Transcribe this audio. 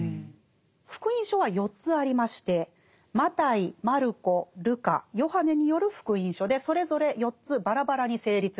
「福音書」は４つありましてマタイマルコルカヨハネによる「福音書」でそれぞれ４つバラバラに成立したそうです。